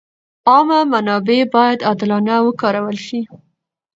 عامه منابع باید عادلانه وکارول شي.